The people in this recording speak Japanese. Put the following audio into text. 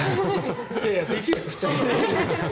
いやいや、できる、普通は。